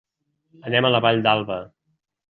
Anem a la Vall d'Alba.